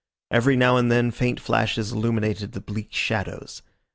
Every now and then faint flashes illuminated the bleak shadows.